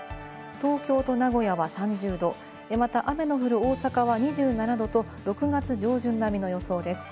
東京と名古屋は３０度、また雨の降る大阪は２７度と、６月上旬並みの予想です。